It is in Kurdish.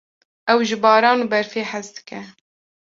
Ew ji baran û berfê hez dike.